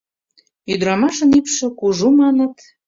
— Ӱдырамашын ӱпшӧ кужу, маныт...